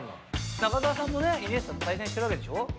中澤さんもねイニエスタと対戦してるわけでしょ？